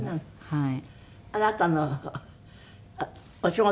はい。